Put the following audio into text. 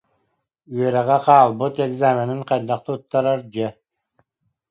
Үөрэҕэ хаалбыт, экзаменын хайдах туттарар дьэ